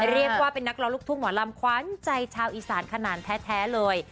เรียกว่าเป็นนักร้องลูกทุ่งหมอลำขวัญใจชาวอีสานขนาดแท้เลย